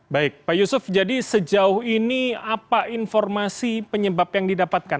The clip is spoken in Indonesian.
baik pak yusuf jadi sejauh ini apa informasi penyebab yang didapatkan